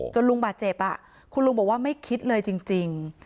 ลุงบาดเจ็บคุณลุงบอกว่าไม่คิดเลยจริง